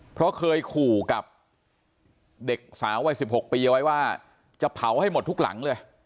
เพราะเคยขู่กับเด็กสาววัย๑๖ปีไว้ว่าจะเผาให้หมดทุกหลังเลย